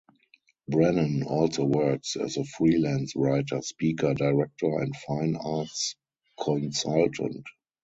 Brannan also works as a freelance writer, speaker, director and fine arts consultant.